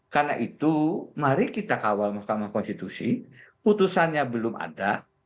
karena itu mari kita kawal mahkamah konstitusi putusannya belum ada